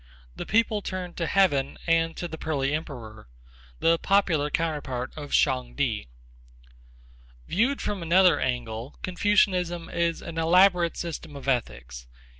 The people turn to Heaven and to the Pearly Emperor, the popular counterpart of Shang Ti. Viewed from another angle, Confucianism is an elaborate system of ethics.